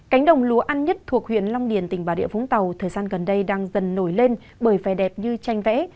cánh đồng lúa an nhất thuộc huyện long điền tỉnh bà rịa vũng tàu thời gian gần đây đang dần nổi lên bởi phè đẹp như tranh vẽ